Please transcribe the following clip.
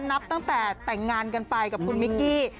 นับตั้งแต่แต่งงานกันไปกับคุณมิกกี้